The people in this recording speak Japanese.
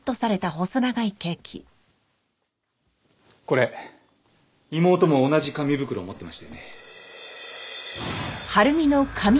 これ妹も同じ紙袋を持ってましたよね。